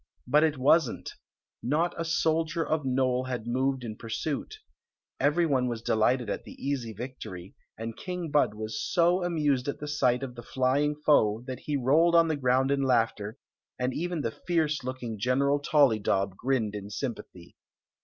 But it wasn't Not a soldier of Nole had moved m pursuit Every one was delighted at the easy vie tory, and King Bud was so amused at the sight of the flying foe that he rolled on the ground in laughter, and even the fierce looking General ToUydob grinned in sympathy.